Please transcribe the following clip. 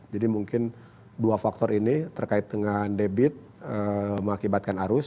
jadi mungkin dua faktor ini terkait dengan debit mengakibatkan arus